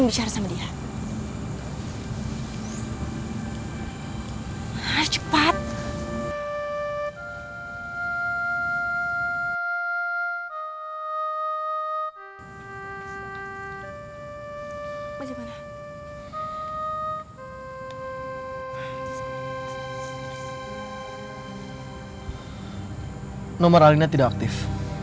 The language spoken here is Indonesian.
nomor alina tidak aktif